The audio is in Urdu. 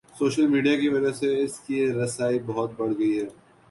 سوشل میڈیا کی وجہ سے اس کی رسائی بہت بڑھ گئی ہے۔